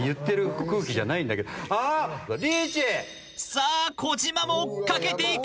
さあ児嶋も追っ掛けていく。